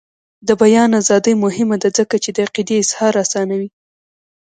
د بیان ازادي مهمه ده ځکه چې د عقیدې اظهار اسانوي.